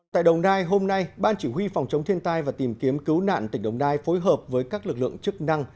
tại đồng nai hôm nay ban chỉ huy phòng chống thiên tai và tìm kiếm cứu nạn tỉnh đồng nai phối hợp với các lực lượng chức năng